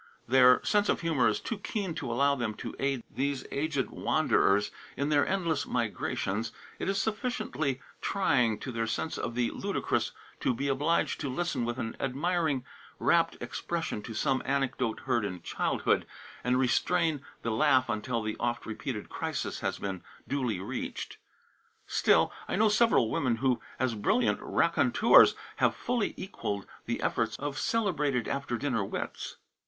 Their sense of humor is too keen to allow them to aid these aged wanderers in their endless migrations. It is sufficiently trying to their sense of the ludicrous to be obliged to listen with an admiring, rapt expression to some anecdote heard in childhood, and restrain the laugh until the oft repeated crisis has been duly reached. Still, I know several women who, as brilliant raconteurs, have fully equalled the efforts of celebrated after dinner wits.